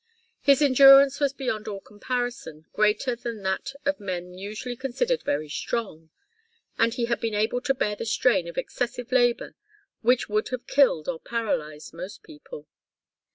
His endurance was beyond all comparison greater than that of men usually considered very strong, and he had been able to bear the strain of excessive labour which would have killed or paralyzed most people.